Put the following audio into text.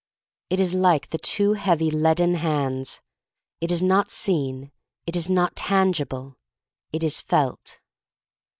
It is like the two heavy leaden hands. It is not seen — it is not tangible. It is felt.